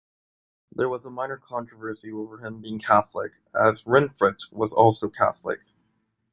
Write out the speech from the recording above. There was a minor controversy over him being Catholic, as Rinfret was also Catholic.